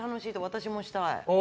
私もしたい。